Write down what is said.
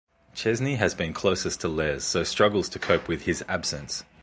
Chesney has been closest to Les, so struggles to cope with his absence.